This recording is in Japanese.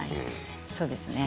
そうですね。